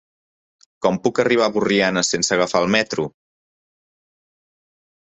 Com puc arribar a Borriana sense agafar el metro?